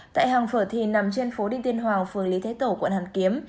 tại hàng phở thính nằm trên phố đinh tiên hoàng phường lý thế tổ quận hàn kiếm